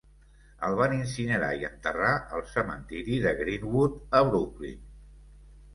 El van incinerar i enterrar al cementiri de Green-Wood, a Brooklyn.